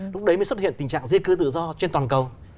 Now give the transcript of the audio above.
lúc đấy mới xuất hiện tình trạng di cư tự do trên toàn cầu